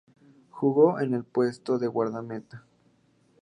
Jugó en el puesto de guardameta.